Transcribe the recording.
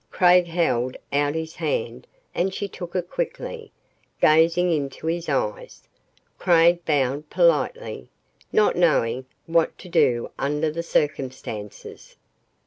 Craig held out his hand and she took it quickly, gazing into his eyes. Craig bowed politely, not quite knowing what to do under the circumstances.